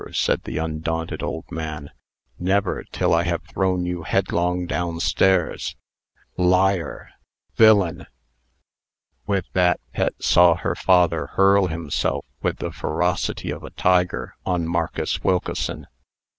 said the undaunted old man. "Never, till I have thrown you headlong down stairs! Liar! Villain!" With that, Pet saw her father hurl himself, with the ferocity of a tiger, on Marcus Wilkeson.